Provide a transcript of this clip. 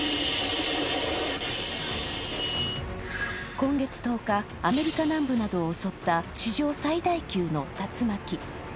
今月１０日、アメリカ南部などを襲った史上最大級の竜巻。